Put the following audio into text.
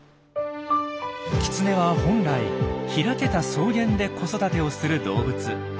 キツネは本来開けた草原で子育てをする動物。